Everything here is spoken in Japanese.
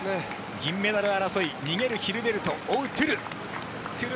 銀メダル争い逃げるヒルベルト追うトゥル。